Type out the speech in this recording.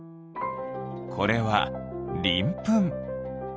これはりんぷん。